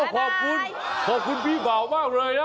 ขอบคุณพี่บ่าวมากเลยนะ